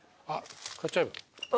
買っちゃえば？